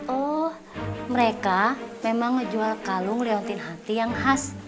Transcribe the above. oh mereka memang ngejual kalung lewatin hati yang khas